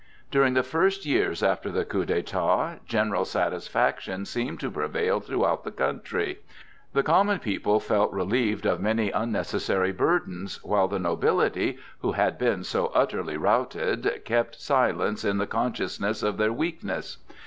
During the first years after the coup d'état general satisfaction seemed to prevail throughout the country; the common people felt relieved of many unnecessary burdens, while the nobility, who had been so utterly routed, kept silent in the consciousness of their weakness.